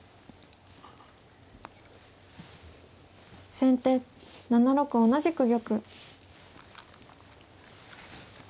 先手７六同じく玉。